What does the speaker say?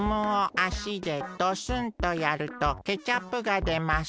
あしでどすん！とやるとケチャップがでます。